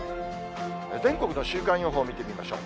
全国の週間予報見てみましょう。